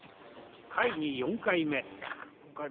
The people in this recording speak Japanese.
会議４回目。